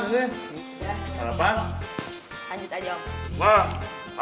tadi pakai bakso basi sama emang